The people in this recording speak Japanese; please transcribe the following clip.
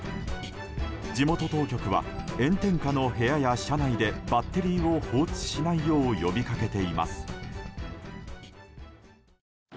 地元当局は炎天下の部屋や車内にバッテリーを放置しないよう呼びかけています。